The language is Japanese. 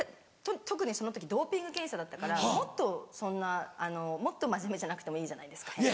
特にその時ドーピング検査だったからもっとそんな真面目じゃなくてもいいじゃないですか。